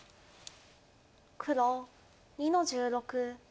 黒２の十六ハネ。